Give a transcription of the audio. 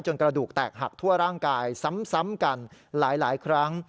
กระดูกแตกหักทั่วร่างกายซ้ำกันหลายครั้ง